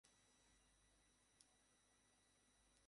আমি কী খাই, আমি কী পরি, এসবের খেয়াল আমার থেকে বেশি রাখে।